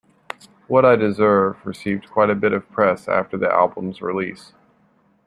"What I Deserve" received quite a bit of press after the album's release.